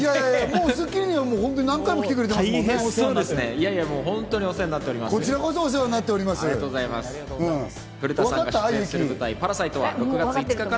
『スッキリ』はもう何回も来てくれてますから。